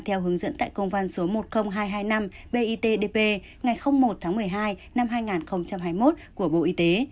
theo hướng dẫn tại công văn số một mươi nghìn hai trăm hai mươi năm bitdp ngày một tháng một mươi hai năm hai nghìn hai mươi một của bộ y tế